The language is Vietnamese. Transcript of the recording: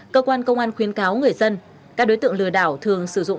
cơ quan công an khuyến cáo người dân các đối tượng lừa đảo thường sử dụng